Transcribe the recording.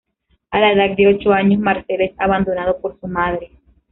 A la edad de ocho años Marcel es abandonado por su madre.